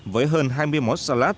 với hơn hai mươi món salad